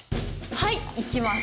はいいきます。